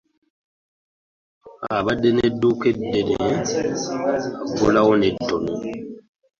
Abadde ne dduuka eddene ggulawo ne tono.